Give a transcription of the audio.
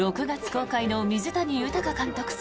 ６月公開の水谷豊監督